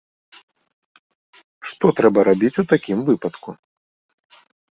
Што трэба рабіць у такім выпадку?